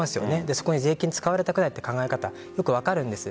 そこに税金を使われたくないという考え方は分かるんです。